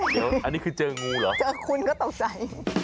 เดี๋ยวอันนี้คือเจองูเหรอเจอคุณก็ตกใจ